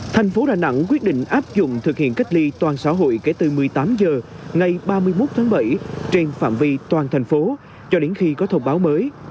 thành phố đà nẵng quyết định áp dụng thực hiện cách ly toàn xã hội kể từ một mươi tám h ngày ba mươi một tháng bảy trên phạm vi toàn thành phố cho đến khi có thông báo mới